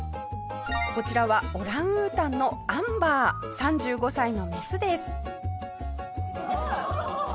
こちらはオランウータンのアンバー３５歳のメスです。